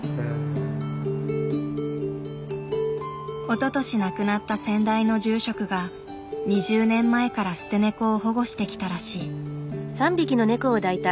おととし亡くなった先代の住職が２０年前から捨てネコを保護してきたらしい。